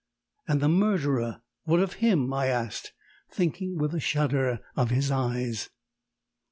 "And the murderer! what of him?" I asked, thinking with a shudder of his eyes.